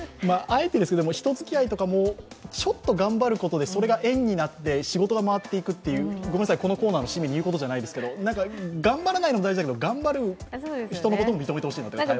あえてですけど人づきあいとかもちょっと頑張るとそれが縁になって、仕事が回っていくというこのコーナーの締めに言うことじゃないですけど、頑張らないのも大事だけど頑張る人のことも認めてほしいなと。